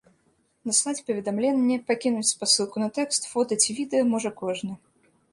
Даслаць паведамленне, пакінуць спасылку на тэкст, фота ці відэа можа кожны.